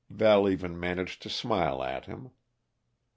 Val even managed to smile at him.